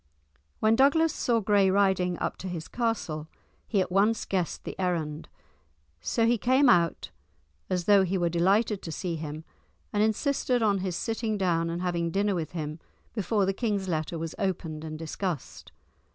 When Douglas saw Gray riding up to his castle, he at once guessed the errand. So he came out as though he were delighted to see him, and insisted on his sitting down and having dinner with him, before the king's letter was opened and discussed.